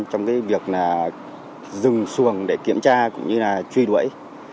trong cái việc dừng xuồng để kiểm tra cũng như là truy đuổi